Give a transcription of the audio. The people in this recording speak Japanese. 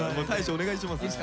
大昇お願いします。